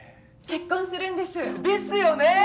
結婚するんです。ですよね！